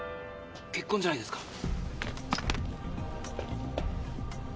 血痕じゃないですか！？